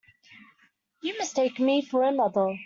You mistake me for another.